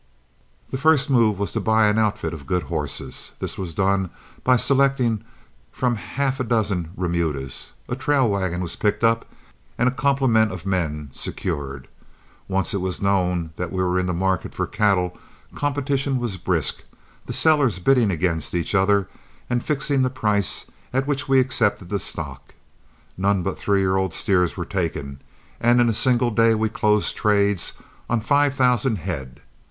The first move was to buy an outfit of good horses. This was done by selecting from half a dozen remudas, a trail wagon was picked up, and a complement of men secured. Once it was known that we were in the market for cattle, competition was brisk, the sellers bidding against each other and fixing the prices at which we accepted the stock. None but three year old steers were taken, and in a single day we closed trades on five thousand head.